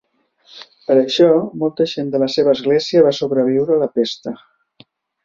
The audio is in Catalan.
Per això, molta gent de la seva església va sobreviure a la pesta.